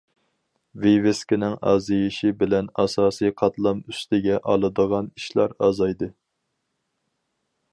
ۋىۋىسكىنىڭ ئازىيىشى بىلەن، ئاساسىي قاتلام ئۈستىگە ئالىدىغان ئىشلار ئازايدى.